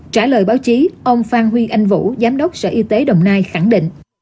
trả lời báo chí ông phan huy anh vũ giám đốc sở y tế đồng nai khẳng định